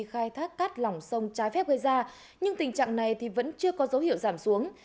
khai thác cát lỏng sông trái phép gây ra nhưng tình trạng này vẫn chưa có dấu hiệu giảm xuống